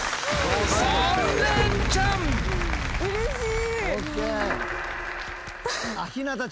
うれしい。